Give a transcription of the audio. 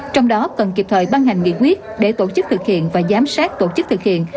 trong đó cần kịp thời ban hành nghị quyết để tổ chức thực hiện và giám sát tổ chức thực hiện